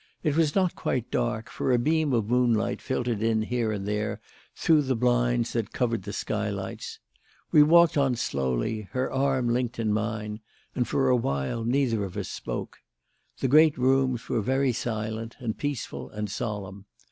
It was not quite dark, for a beam of moonlight filtered in here and there through the blinds that covered the sky lights. We walked on slowly, her arm linked in mine, and for a while neither of us spoke. The great rooms were very silent and peaceful and solemn.